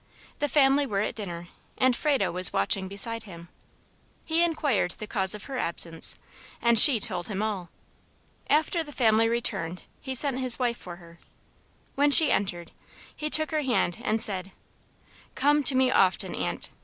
The family were at dinner, and Frado was watching beside him. He inquired the cause of her absence, and SHE told him all. After the family returned he sent his wife for her. When she entered, he took her hand, and said, "Come to me often, Aunt.